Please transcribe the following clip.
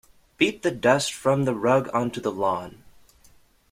Beat the dust from the rug onto the lawn.